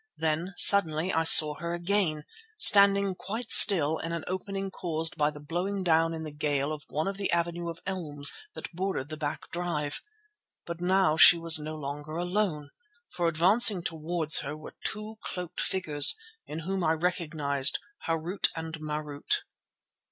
Then suddenly I saw her again, standing quite still in an opening caused by the blowing down in the gale of one of the avenue of elms that bordered the back drive. But now she was no longer alone, for advancing towards her were two cloaked figures in whom I recognized Harût and Marût.